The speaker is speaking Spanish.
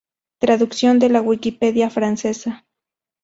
Traducción de la Wikipedia francesa.